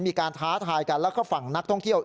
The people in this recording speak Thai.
ท้าทายกันแล้วก็ฝั่งนักท่องเที่ยว